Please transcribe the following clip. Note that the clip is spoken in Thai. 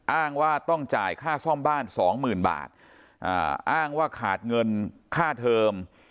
อ้างว่าต้องจ่ายค่าซ่อมบ้านสองหมื่นบาทอ้างว่าขาดเงินค่าเทอม